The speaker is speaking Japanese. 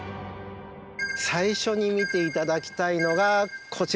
最初に見て頂きたいのがこちらです。